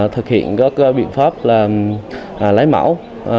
thực hiện các biện pháp là lấy mẫu